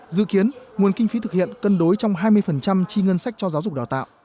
dự kiến nguồn kinh phí thực hiện cân đối trong hai mươi chi ngân sách cho giáo dục đào tạo